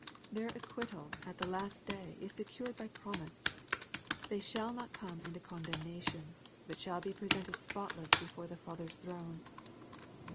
Their acquittal at the last day is secured by promise. They shall not come into coDdemnation; but shall be presented spotless before the Father's throne.